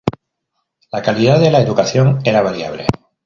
La calidad de la educación era variable.